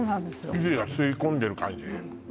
生地が吸い込んでる感じ